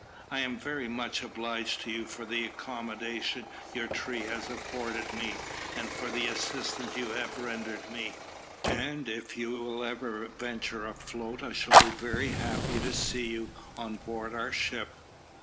"I am much obliged to you for the accommodation your tree has afforded me, and for the assistance you have rendered me, and if you will ever venture afloat I shall be very happy to see you on board our ship.